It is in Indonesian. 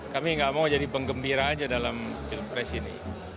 kami nggak mau jadi penggembira aja dalam pilpres ini